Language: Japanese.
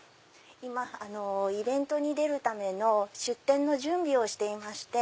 イベントに出るための出展の準備をしていまして。